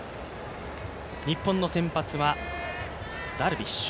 日本の先発はダルビッシュ。